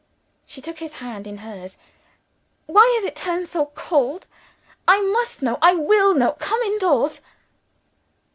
She took his hand in hers. "Why has it turned so cold? I must know. I will know! Come indoors."